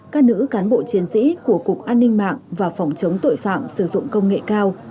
các nữ cán bộ chiến sĩ của cục an ninh mạng và phòng chống tội phạm sử dụng công nghệ cao